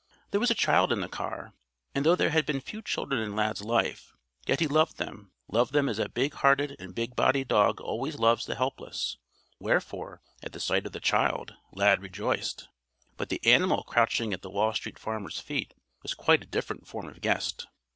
There was a child in the car. And though there had been few children in Lad's life, yet he loved them, loved them as a big hearted and big bodied dog always loves the helpless. Wherefore, at sight of the child, Lad rejoiced. But the animal crouching at the Wall Street Farmer's feet was quite a different form of guest.